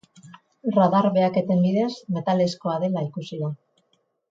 Radar behaketen bidez metalezkoa dela ikusi da.